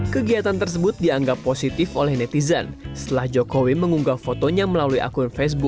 kegiatan tersebut dianggap positif oleh netizen setelah jokowi mengunggah fotonya melalui akun facebook